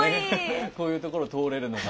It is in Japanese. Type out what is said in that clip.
こういうところ通れるのが。